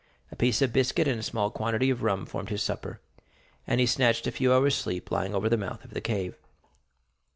A piece of biscuit and a small quantity of rum formed his supper, and he snatched a few hours' sleep, lying over the mouth of the cave.